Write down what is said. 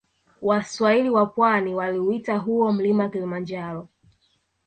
Waswahili wa pwani waliuita huo mlima kilimanjaro